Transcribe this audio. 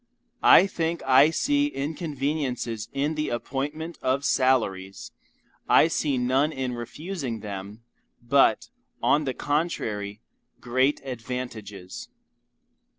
I think I see inconveniences in the appointment of salaries; I see none in refusing them, but on the contrary, great advantages.